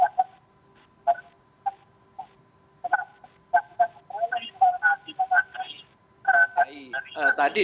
jadi kalau nanti pemerintah yang terkait dengan masalah ini